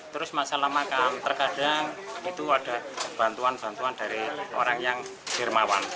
terus masalah makan terkadang itu ada bantuan bantuan dari orang yang jermawan